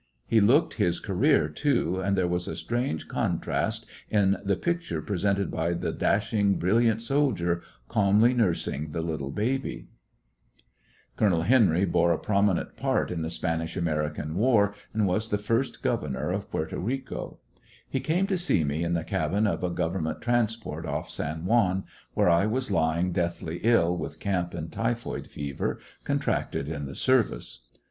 He looked his career, too, and there was a strange con trast in the picture presented by the dash ing, brilliant soldier calmly nursing the little baby. Died at his Coloncl Henry bore a prominent part in pos 0/ uy ^^^ Spanish American War, and was the first governor of Puerto Eico. He came to see me in the cabin of a government transport off San Juan, where I was lying deathly ill with camp and typhoid fever, contracted in the service.